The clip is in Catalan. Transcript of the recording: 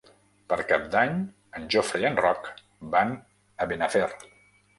Per Cap d'Any en Jofre i en Roc van a Benafer.